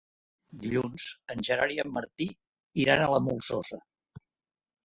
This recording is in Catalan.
Dilluns en Gerard i en Martí iran a la Molsosa.